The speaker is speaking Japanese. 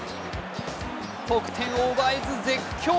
得点を奪えず絶叫。